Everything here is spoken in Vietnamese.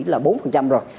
là bốn rồi